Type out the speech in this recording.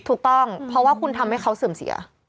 ถูกต้องเพราะว่าคุณทำให้เขาเสื่อมเสีย